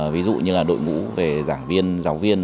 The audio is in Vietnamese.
ví dụ như là đội ngũ về giảng viên giáo viên